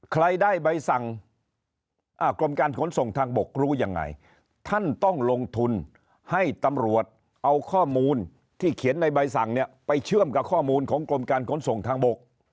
ใครได้ใบสั่งกรมการขนส่งทางบกรู้ยังไงท่านต้องลงทุนให้ตำรวจเอาข้อมูลที่เขียนในใบสั่งเนี่ยไปเชื่อมกับข้อมูลของกรมการขนส่งทางบก